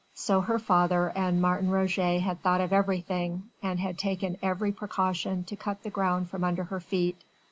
So her father and Martin Roget had thought of everything, and had taken every precaution to cut the ground from under her feet.